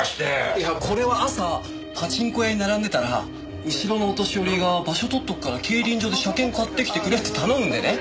いやこれは朝パチンコ屋に並んでたら後ろのお年寄りが「場所取っとくから競輪場で車券買ってきてくれ」って頼むんでね。